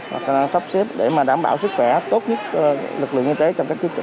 hoặc là sắp xếp để mà đảm bảo sức khỏe tốt nhất lực lượng y tế trong các chức trực